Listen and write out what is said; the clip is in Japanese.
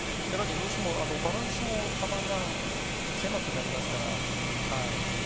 やはりどうしてもバランスの幅が狭くなりますから。